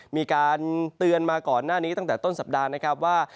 มีการเตือนมาก่อนหน้านี้ตั้งแต่ต้นสัปดาห์นะครับว่า